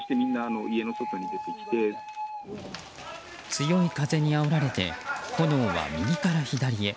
強い風にあおられて炎は右から左へ。